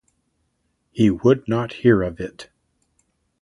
He would not hear of it.